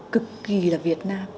cực kỳ là việt nam